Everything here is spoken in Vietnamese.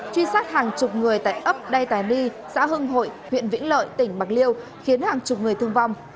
truy sát hàng chục người tại ấp đai tài ly xã hưng hội huyện vĩnh lợi tỉnh bạc liêu khiến hàng chục người thương vong